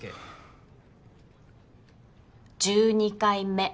１２回目。